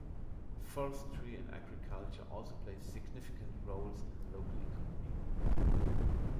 Forestry and agriculture also play significant roles in the local economy.